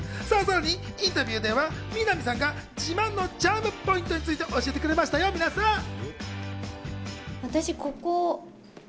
さらにインタビューではみな実さんが自慢のチャームポイントについて教えてくれましたよ、皆さん。